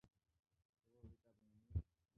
শুভ বিকাল, মিমি!